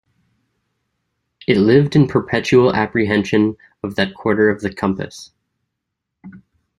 It lived in perpetual apprehension of that quarter of the compass.